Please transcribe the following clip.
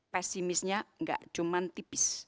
pesimisnya nggak cuma tipis